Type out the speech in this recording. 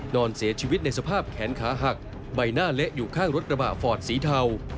นอนเสียชีวิตในสภาพแขนขาหักใบหน้าเละอยู่ข้างรถกระบะฟอร์ดสีเทา